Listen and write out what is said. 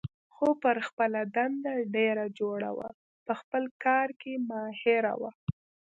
خو پر خپله دنده ډېره جوړه وه، په خپل کار کې ماهره وه.